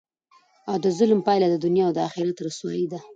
او دظلم پایله د دنیا او اخرت رسوايي ده،